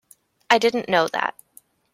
I didn't know that.